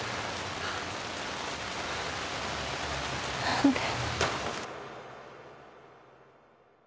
何で。